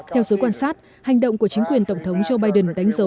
theo giới quan sát hành động của chính quyền tổng thống joe biden đánh dấu